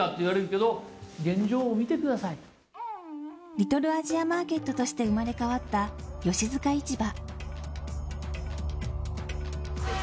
リトルアジアマーケットとして生まれ変わった吉塚市場。